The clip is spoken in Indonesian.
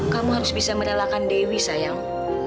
kamu harus bisa merelakan dewi sayang